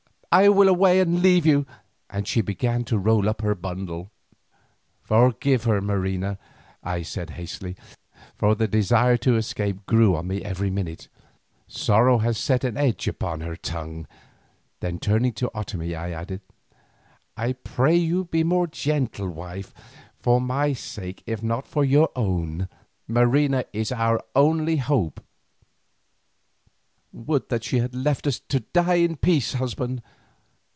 "I will away and leave you;" and she began to roll up her bundle. "Forgive her, Marina," I said hastily, for the desire to escape grew on me every minute; "sorrow has set an edge upon her tongue." Then turning to Otomie I added, "I pray you be more gentle, wife, for my sake if not for your own. Marina is our only hope." "Would that she had left us to die in peace, husband.